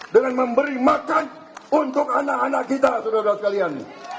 dengan memberi makan untuk anak anak kita saudara saudara sekalian